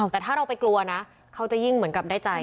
แต่ถ้าเราไปกลัวนะเขาจะยิ่งเหมือนกับได้ใจ